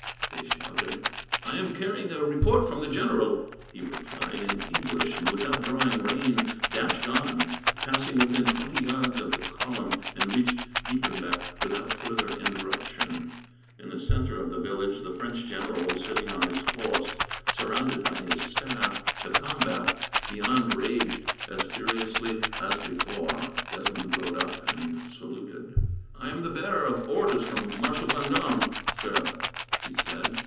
they shouted. "I am carrying a report from the general," he replied, in English, and without drawing rein dashed on, passing within twenty yards of the column, and reached Diepenbeck without further interruption. In the centre of the village, the French general was sitting on his horse, surrounded by his staff. The combat beyond raged as furiously as before. Desmond rode up, and saluted. "I am the bearer of orders from Marshal Vendome, sir," he said.